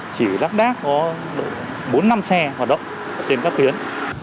chỉ đắk đác có bốn năm xe hoạt động trên các tuyến